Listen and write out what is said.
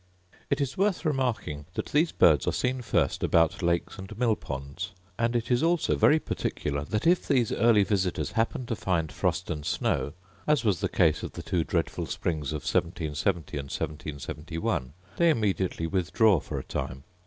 It is worth remarking that these birds are seen first about lakes and mill ponds; and it is also very particular, that if these early visitors happen to find frost and snow, as was the case of the two dreadful springs of 1770 and 1771, they immediately withdraw for a time.